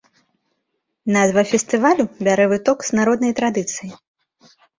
Назва фестывалю бярэ выток з народнай традыцыі.